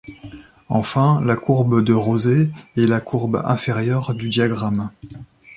Enfin la courbe de rosée est la courbe inférieure du diagramme.